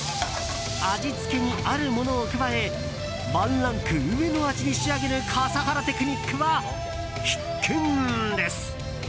味付けにあるものを加えワンランク上の味に仕上げる笠原テクニックは必見です。